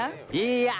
「いいや。